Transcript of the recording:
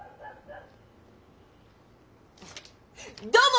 「どうも！